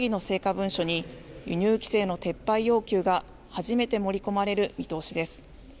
文書に輸入規制の撤廃要求が初めて盛り込まれる見通しです。